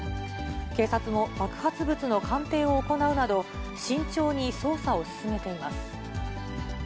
警察も爆発物の鑑定を行うなど、慎重に捜査を進めています。